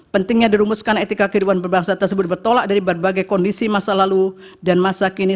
pentingnya dirumuskan etika kehidupan berbangsa tersebut bertolak dari berbagai kondisi masa lalu dan masa kini